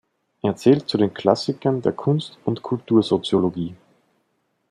Er zählt zu den Klassikern der Kunst- und Kultursoziologie.